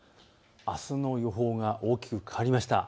あすの予報が大きく変わりました。